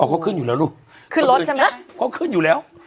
เขาขึ้นอยู่แล้วลูกขึ้นรถใช่ไหมเขาขึ้นอยู่แล้ว